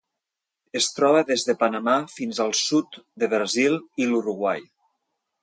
Es troba des de Panamà fins al sud de Brasil i l'Uruguai.